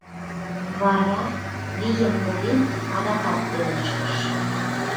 Вара, вийым поген, адакат пелештыш: